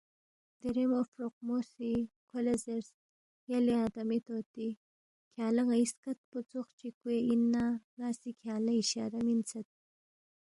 دیرے مو فوروقمو سی کھو لہ زیرس، یلے آدمی طوطی کھیانگ لہ ن٘ئی سکت پو ژوخچی کوے اِننا ن٘ا سی کھیانگ لہ اِشارہ مِنسید